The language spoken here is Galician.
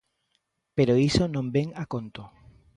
Pero iso non vén a conto.